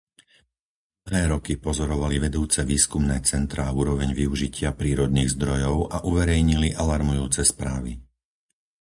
Dlhé roky pozorovali vedúce výskumné centrá úroveň využitia prírodných zdrojov a uverejnili alarmujúce správy.